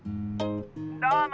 どうも。